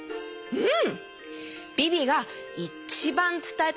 うん！